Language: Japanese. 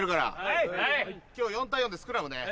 今日４対４でスクラムね。